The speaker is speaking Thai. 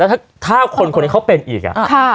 แล้วถ้าถ้าคนคนนี้เขาเป็นอีกอ่ะค่ะ